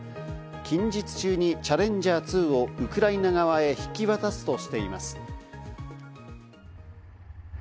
近日中に「チャレンジャー２」をウクライナ側へ引き渡すとしています。